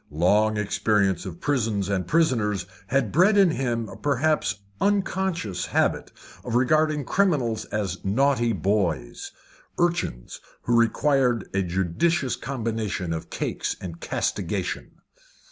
Long experience of prisons and prisoners had bred in him a perhaps unconscious habit of regarding criminals as naughty boys urchins who required a judicious combination of cakes and castigation.